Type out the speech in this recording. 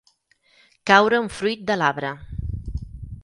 Caure un fruit de l'arbre.